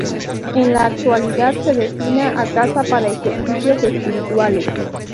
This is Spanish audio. En la actualidad se destina a casa para ejercicios espirituales.